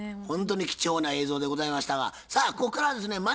ほんとに貴重な映像でございましたがさあこっからはですね